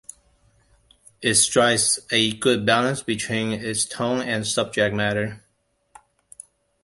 It strikes a good balance between its tone and subject matter.